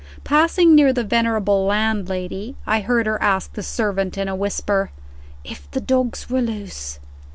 Passing near the venerable landlady, I heard her ask the servant, in a whisper, "if the dogs were loose?"